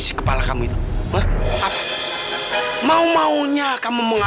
tak ada lagi waktu untuk dimolih